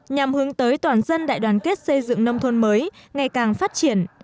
nhằm hướng tới toàn dân đại đoàn kết xây dựng nông thôn mới ngày càng phát triển